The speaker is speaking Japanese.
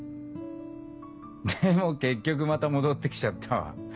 でも結局また戻ってきちゃったわ。